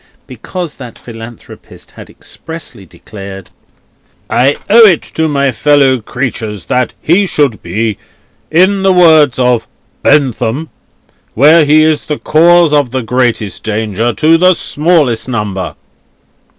Because that Philanthropist had expressly declared: "I owe it to my fellow creatures that he should be, in the words of BENTHAM, where he is the cause of the greatest danger to the smallest number."